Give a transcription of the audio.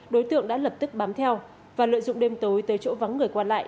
đối tượng đã lập tức bám theo và lợi dụng đêm tối tới chỗ vắng người qua lại